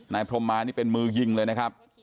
พรมมานี่เป็นมือยิงเลยนะครับ